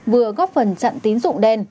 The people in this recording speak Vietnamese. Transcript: vừa góp phần chặn tín rụng đen